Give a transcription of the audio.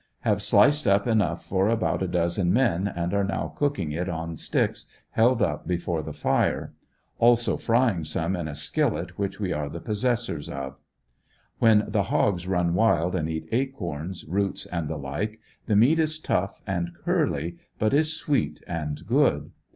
Have sliced up enough for about a dozen men and are now cooking it on sticks held up before the fire. Also frying some in a skillet which we are the possessor of. When the hogs run wild and eat acorns, roots and the like, the meat is tough and curly but is sweet and good.